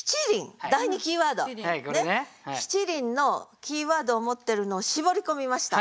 「七輪」のキーワードを持ってるのを絞り込みました。